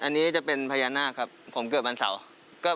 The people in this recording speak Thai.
อันนี้จะเป็นพญานาคครับผมเกิดวันเสาร์